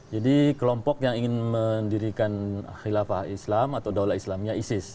jadi kelompok yang ingin mendirikan khilafah islam atau daulat islamnya isis